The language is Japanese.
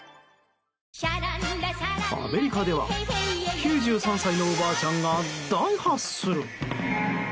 アメリカでは９３歳のおばあちゃんが大ハッスル。